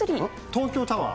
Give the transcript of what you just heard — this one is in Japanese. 東京タワー？